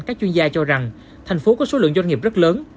các chuyên gia cho rằng thành phố có số lượng doanh nghiệp rất lớn